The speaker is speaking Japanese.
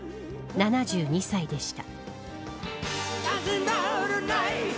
７２歳でした。